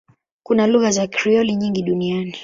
Kuna lugha za Krioli nyingi duniani.